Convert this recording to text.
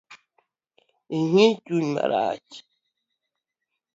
Ingi chuny marach